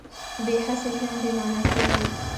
بې هڅې ژوند بې مانا کېږي.